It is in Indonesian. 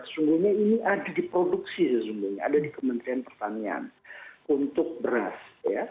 sungguhnya ini ada di produksi sesungguhnya ada di kementerian pertanian untuk beras